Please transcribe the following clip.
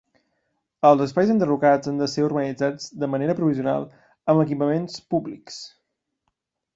Els espais enderrocats han de ser urbanitzats, de manera provisional, amb equipaments públics.